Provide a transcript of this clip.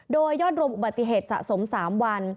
โดยยอดรวมอุบัติเหตุสะสม๓วัน